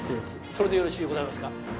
それでよろしゅうございますか？